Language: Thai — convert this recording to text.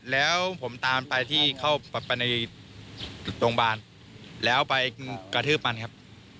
แล้วผมตามไปที่เข้าไปในโรงพยาบาลแล้วไปกระทืบมันครับ